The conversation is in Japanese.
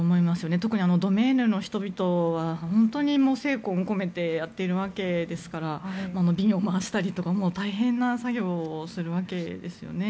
特にドメーヌの人は本当に精魂込めてやっているわけですから瓶を回したりとか大変な作業をするわけですよね。